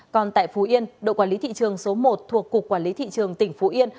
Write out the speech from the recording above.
còn tại phú yên đội quản lý thị trường số một thuộc cục quản lý thị trường tỉnh phú yên